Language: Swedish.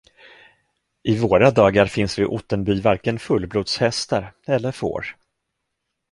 I våra dagar finns vid Ottenby varken fullblodshästar eller får.